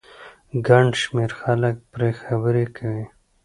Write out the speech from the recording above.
ګن شمېر خلک پرې خبرې کوي